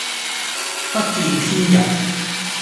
不見天日